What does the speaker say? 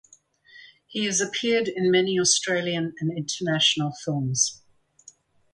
He has appeared in many Australian and international films.